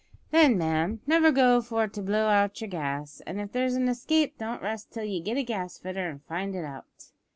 Then, ma'am, never go for to blow out yer gas, an' if there's an escape don't rest till ye get a gasfitter and find it out.